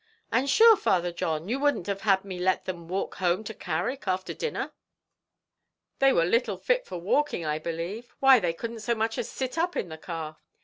"And sure, Father John, you wouldn't have had me let them walk home to Carrick after dinner?" "They were little fit for walking, I believe; why they couldn't so much as sit up in the car.